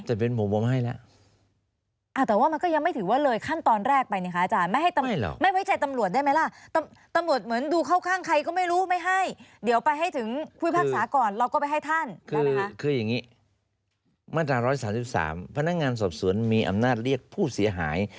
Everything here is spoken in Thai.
ซึ่งคือคือยังนี้มาจาก๑๓๓พนักงานสรรพสวนมีอำนาจเรียกผู้เสียหาย